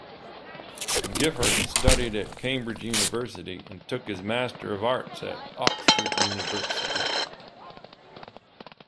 Giffard studied at Cambridge University and took his master of arts at Oxford University.